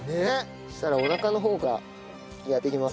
そしたらおなかの方からやっていきます。